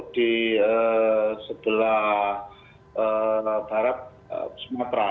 di sebelah barat sumatera